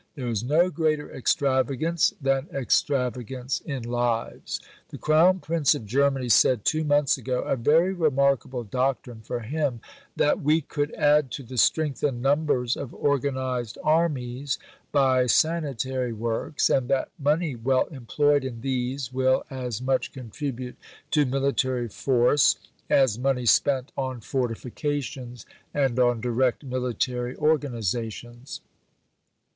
There is no greater extravagance than extravagance in lives. The Crown Prince of Germany said two months ago (a very remarkable doctrine for him) that we could add to the strength and numbers of organized armies by sanitary works, and that money well employed in these will as much contribute to military force as money spent on fortifications and on direct military organizations.